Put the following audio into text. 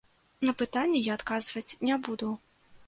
На пытанні я адказваць не буду!